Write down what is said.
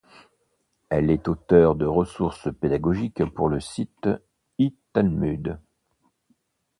Elle est auteur de ressources pédagogiques pour le site e-talmud.